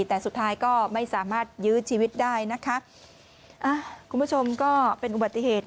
แต่สุดท้ายก็ไม่สามารถยื้อชีวิตได้นะคะอ่าคุณผู้ชมก็เป็นอุบัติเหตุ